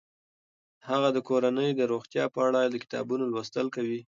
هغه د کورنۍ د روغتیا په اړه د کتابونو لوستل کوي.